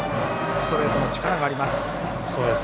ストレートの力があります。